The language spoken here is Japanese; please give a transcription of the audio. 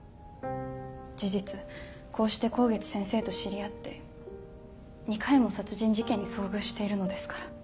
事実こうして香月先生と知り合って２回も殺人事件に遭遇しているのですから。